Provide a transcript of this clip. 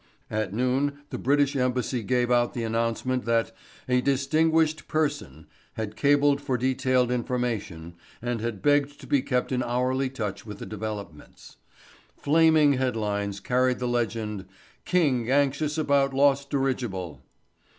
At noon the British embassy gave out the announcement that "a distinguished person" had cabled for detailed information and had begged to be kept in hourly touch with the developments. Flaming head lines carried the legend "King Anxious About Lost Dirigible."